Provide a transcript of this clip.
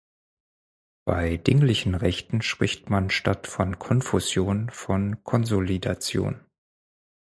Bei dinglichen Rechten spricht man statt von Konfusion von Konsolidation.